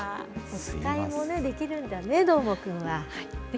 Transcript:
お遣いもできるんだね、どーもくんは。